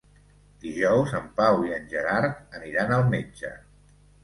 Dijous en Pau i en Gerard aniran al metge.